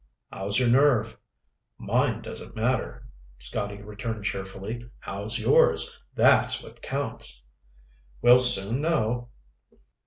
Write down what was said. "How's your nerve?" "Mine doesn't matter," Scotty returned cheerfully. "How's yours? That's what counts." "We'll soon know."